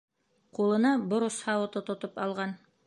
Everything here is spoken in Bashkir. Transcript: Ҡулына борос һауыты тотоп алған.